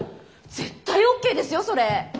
絶対ＯＫですよそれ。